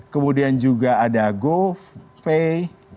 kemudian juga ada golf pay